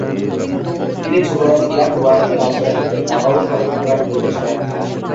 তিনি যুবরাজ ইয়াং গুয়াংকে রাজপ্রাসাদের ডাবাও হলে থাকার নির্দেশ দেন।